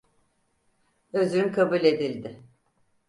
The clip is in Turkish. Özrün kabul edildi.